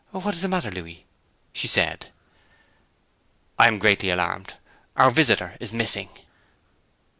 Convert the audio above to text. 'What is the matter, Louis?' she said. 'I am greatly alarmed. Our visitor is missing.'